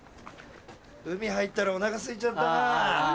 海入ったらお腹すいちゃったな。